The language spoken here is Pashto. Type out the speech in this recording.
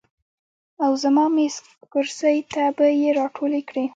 او زما میز، کرسۍ ته به ئې راټولې کړې ـ